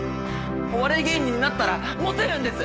お笑い芸人になったらモテるんです！